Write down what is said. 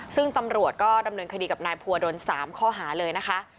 ซึ่งตำรวจก็ดำเนินคดีกับนายภูวดล๓ข้อหาเลยนะคะ